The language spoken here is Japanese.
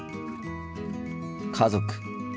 家族。